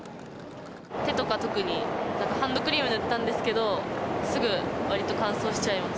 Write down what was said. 手とか特に、なんかハンドクリーム塗ったんですけど、すぐ、わりと乾燥しちゃいます。